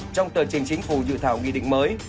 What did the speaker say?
trong tờ trình chính phủ dự thảo nghị định mới